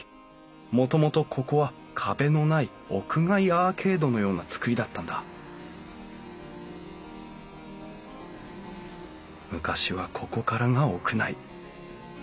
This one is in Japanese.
もともとここは壁のない屋外アーケードのような造りだったんだ昔はここからが屋内。